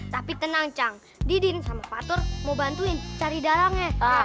tapi tenang cang didin sama fatur mau bantuin cari dalangnya